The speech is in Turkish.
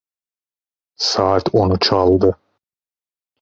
Saat onu çaldı…